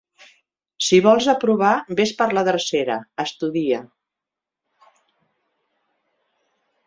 Si vols aprovar ves per la drecera: estudia.